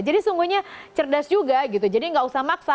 jadi sungguhnya cerdas juga gitu jadi nggak usah maksa